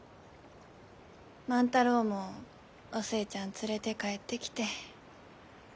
万太郎もお寿恵ちゃん連れて帰ってきて。